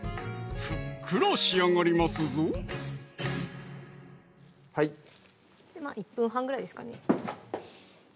ふっくら仕上がりますぞまぁ１分半ぐらいですかね